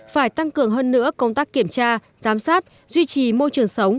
phải tăng cường hơn nữa công tác kiểm tra giám sát duy trì môi trường sống